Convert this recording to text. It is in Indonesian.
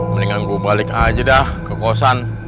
mendingan gue balik aja dah ke kosan